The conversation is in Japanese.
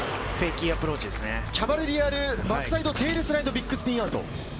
キャバレリアルバックサイドテールスライドビッグスピンアウト。